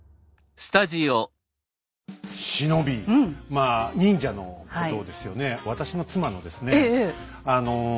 まあ忍者のことですよね。